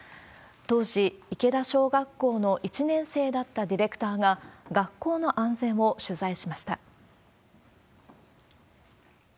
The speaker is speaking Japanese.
当時、池田小学校の１年生だったディレクターが、学校の安全を取材しました。